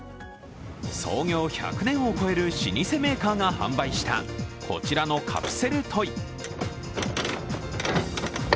創業１００年を超える老舗メーカーが販売したこちらのカプセルトイ。